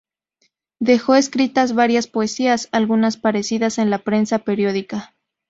Dejó escritas varias poesías, algunas aparecidas en la prensa periódica.